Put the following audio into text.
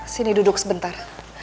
sini duduk sebentar